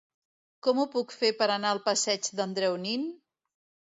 Com ho puc fer per anar al passeig d'Andreu Nin?